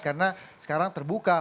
karena sekarang terbuka